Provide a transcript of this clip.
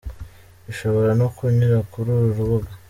Ushobora no kunyura kuri uru rubuga:.